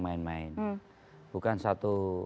main main bukan satu